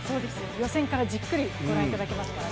予選からじっくり御覧いただきますから。